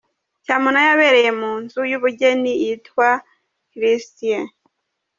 Cyamunara yabereye mu nzu y’ubugeni yitwa Christie.